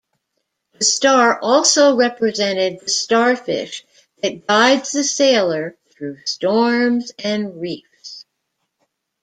The star also represented the starfish that guides the sailor "through storms and reefs".